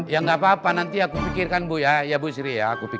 ya gak apa nanti aku pikirkan ya bu sri